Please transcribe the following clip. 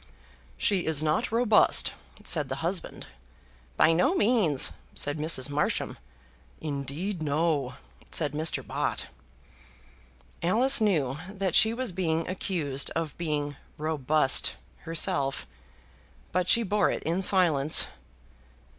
"She is not robust," said the husband. "By no means," said Mrs. Marsham. "Indeed, no," said Mr. Bott. Alice knew that she was being accused of being robust herself; but she bore it in silence.